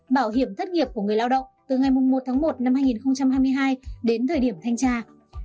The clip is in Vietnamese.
bảo hiểm thất nghiệp của người lao động từ ngày một tháng một năm hai nghìn hai mươi hai đến thời điểm thanh tra